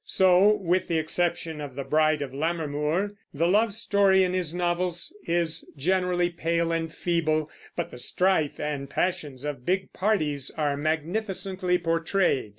So, with the exception of The Bride of Lammermoor, the love story in his novels is generally pale and feeble; but the strife and passions of big parties are magnificently portrayed.